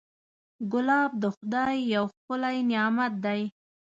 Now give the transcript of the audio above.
ګلاب د خدای یو ښکلی نعمت دی.